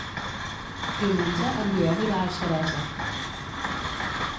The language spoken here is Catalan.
Diumenge en Biel irà a Xeresa.